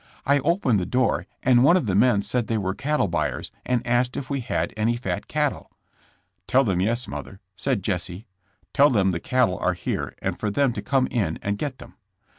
*'I opened the door and one of the men said they were cattle buyers, and asked if we had any fat cattle. ^'Tell them yes, mother, said Jesse. 'Tell them the cattle are here and for them to come in and get them.'